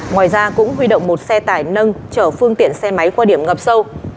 ngoài ra cũng huy động một xe tải nâng chở phương tiện xe máy qua điểm ngập sâu